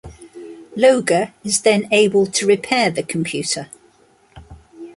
Loga is then able to repair the computer.